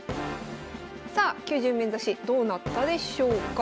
さあ９０面指しどうなったでしょうか。